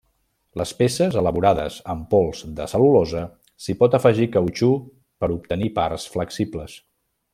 Les peces elaborades amb pols de cel·lulosa s'hi pot afegir cautxú per obtenir parts flexibles.